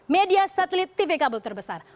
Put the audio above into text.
media satelit tv kabel terbesar